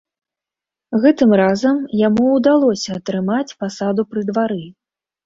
Гэтым разам яму ўдалося атрымаць пасаду пры двары.